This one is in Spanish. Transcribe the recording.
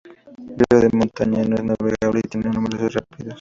Río de montaña, no es navegable y tiene numerosos rápidos.